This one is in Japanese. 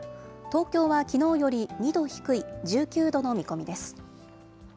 東京はきのうより２度低い１９度の見込みです。